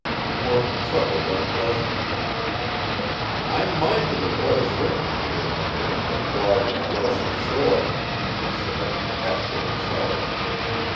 Mark chuckled unpleasantly. "I'm minded of what is written, here and there, in the 'Log of the House of Shore,'" he said, half to himself.